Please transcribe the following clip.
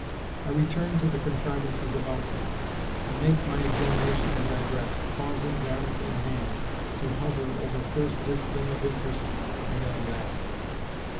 I return to the contrivances about me, and make my examination as I dress, pausing garment in hand to hover over first this thing of interest and then that.